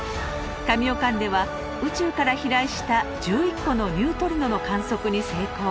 カミオカンデは宇宙から飛来した１１個のニュートリノの観測に成功。